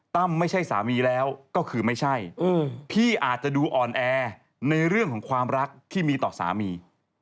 ไม่ใช่สามีแล้วก็คือไม่ใช่พี่อาจจะดูอ่อนแอในเรื่องของความรักที่มีต่อสามี